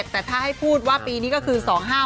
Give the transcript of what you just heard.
แต่ถ้าให้พูดว่าปีนี้ก็คือ๒๕๖